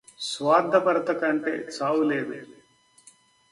స్వార్థపరతకంటె చావులేదు